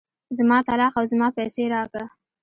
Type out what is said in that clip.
زما طلاق او زما پيسې راکه.